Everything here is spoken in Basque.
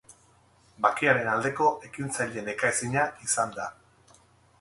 Bakearen aldeko ekintzaile nekaezina izan da.